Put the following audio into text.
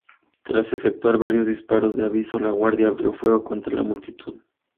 Tras efectuar varios disparos de aviso, la guardia abrió fuego contra la multitud.